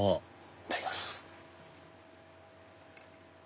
いただきます。